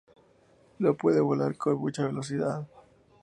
No puede volar con mucha velocidad.